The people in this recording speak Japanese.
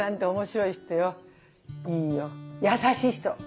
いいよ優しい人。